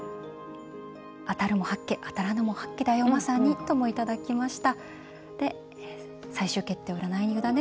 当たるも八卦当たらぬも八卦だよ、まさにといただきました。